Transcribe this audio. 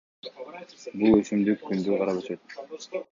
Бул өсүмдүк күндү карап өсөт.